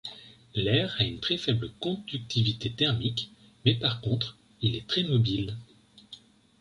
L'air a une très faible conductivité thermique, mais par contre, il est très mobile.